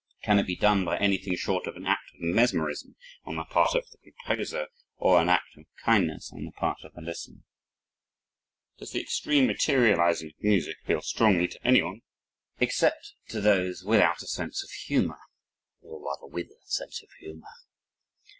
Can it be done by anything short of an act of mesmerism on the part of the composer or an act of kindness on the part of the listener? Does the extreme materializing of music appeal strongly to anyone except to those without a sense of humor or rather with a sense of humor?